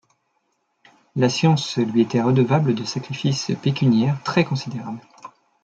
La science lui était redevable de sacrifices pécuniaires très considérables.